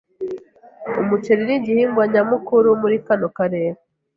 Umuceri nigihingwa nyamukuru muri kano karere.